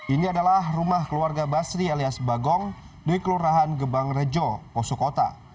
ini adalah rumah keluarga basri alias bagong di kelurahan gebang rejo poso kota